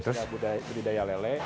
terus budidaya lele